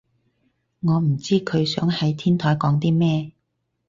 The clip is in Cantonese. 我唔知佢想喺天台講啲咩